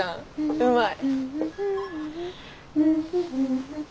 うまい。